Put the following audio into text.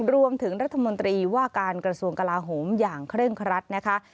รวมถึงรัฐมนตรีว่าการกระทรวงกลาโหมอย่างเคร่งครัดนะคะ